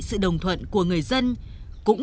sự đồng thuận của người dân